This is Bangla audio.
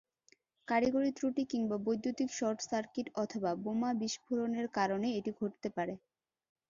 কারিগরি ত্রুটি, কিংবা বৈদ্যুতিক শর্টসার্কিট অথবা বোমা বিস্ফোরণের কারণে এটি ঘটতে পারে।